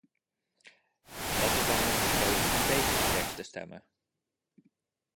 Dat is waarom ik besloot tegen de tekst te stemmen.